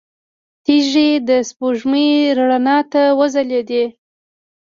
تيږې د سپوږمۍ رڼا ته وځلېدې.